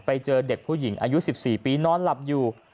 ไปเจอเด็กผู้หญิงอายุ๑๔ปีนอนหลับอยู่